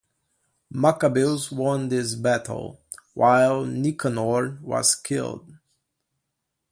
Maccabeus won this battle, while Nicanor was killed.